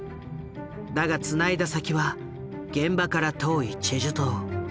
だがつないだ先は現場から遠いチェジュ島。